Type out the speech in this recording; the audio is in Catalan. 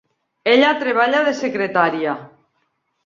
Ella treballa de secretària.